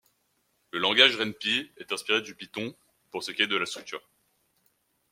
Le langage Ren'Py est inspiré du Python pour ce qui est de la structure.